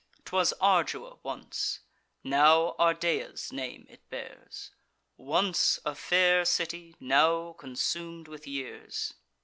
'Twas Ardua once; now Ardea's name it bears; Once a fair city, now consum'd with years.